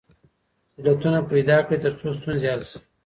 علتونه پیدا کړئ ترڅو ستونزې حل سي.